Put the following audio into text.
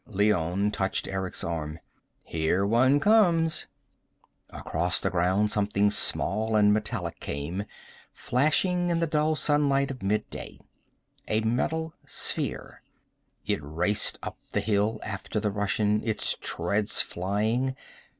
Leone touched Eric's arm. "Here one comes." Across the ground something small and metallic came, flashing in the dull sunlight of mid day. A metal sphere. It raced up the hill after the Russian, its treads flying.